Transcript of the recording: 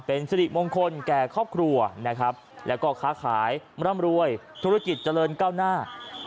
เป็นสิริมงคลแก่ครอบครัวนะครับแล้วก็ค้าขายร่ำรวยธุรกิจเจริญก้าวหน้า